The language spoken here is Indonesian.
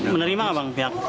menerima bang pihak